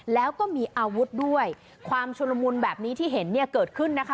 แล้วก็มีอาวุธด้วยความชุลมุนแบบนี้ที่เห็นเนี่ยเกิดขึ้นนะคะ